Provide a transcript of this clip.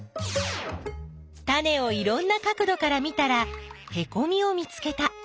タネをいろんな角どから見たらへこみを見つけた。